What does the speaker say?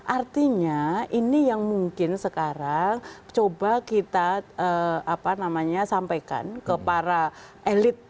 artinya ini yang mungkin sekarang coba kita sampaikan ke para elit